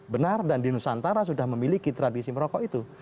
benar dan di nusantara sudah memiliki tradisi merokok itu